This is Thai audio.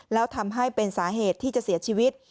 แล้วทำให้เป็นสาเหตุที่จะเสียชีวิต